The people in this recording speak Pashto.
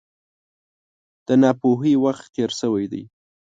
د ناپوهۍ وخت تېر شوی دی.